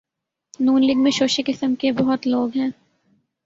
ن لیگ میں شوشے قسم کے بہت لوگ ہیں۔